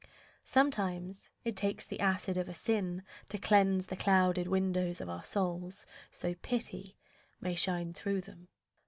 Sometimes it takes the acid of a sin To cleanse the clouded windows of our souls So pity may shine through them.